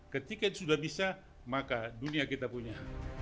ketika sudah bisa maka dunia kita punya